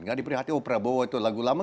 nggak diperhatikan oh prabowo itu lagu lama